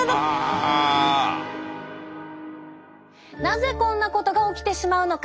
なぜこんなことが起きてしまうのか。